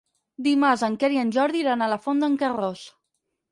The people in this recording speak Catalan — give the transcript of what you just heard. Dimarts en Quer i en Jordi iran a la Font d'en Carròs.